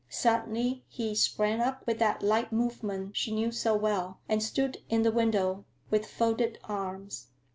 Suddenly he sprang up with that light movement she knew so well, and stood in the window, with folded arms.